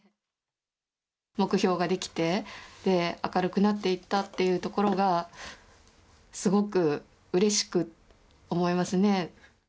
目標が出来て、明るくなっていったというところが、すごくうれしく思いますね。